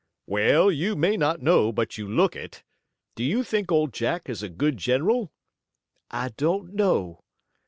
"Well, you may not know, but you look it. Do you think Old Jack is a good general?" "I don't know."